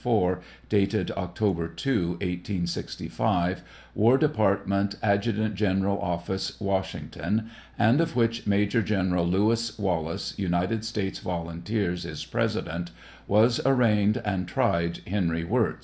524, dated October 2, 1865, War Department, Adjutant General's Office, Washington, and of which Major General Lewis Wallace, United States volunteers, is president, was arraigned and tried Henry Wirz.